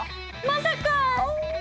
まさか。